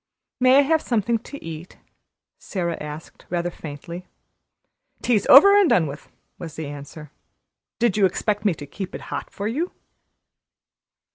"May I have something to eat?" Sara asked rather faintly. "Tea's over and done with," was the answer. "Did you expect me to keep it hot for you?"